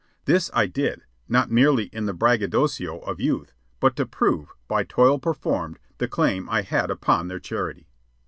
This I did, not merely in the braggadocio of youth, but to prove, by toil performed, the claim I had upon their charity.